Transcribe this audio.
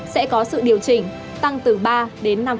sẽ có sự điều chỉnh tăng từ ba đến năm